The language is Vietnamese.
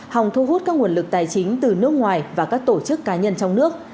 hòng thu hút các nguồn lực tài chính từ nước ngoài và các tổ chức cá nhân trong nước